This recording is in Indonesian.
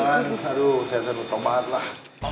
aduh saya seru banget lah